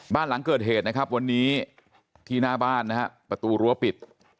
บ้านหลังเกิดเหตุนะครับวันนี้ที่หน้าบ้านนะฮะประตูรั้วปิด